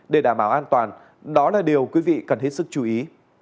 để đảm bảo an toàn đó là điều quý vị cần hết sức chú ý